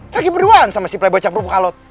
lagi berduaan sama si plebocam rupuk alut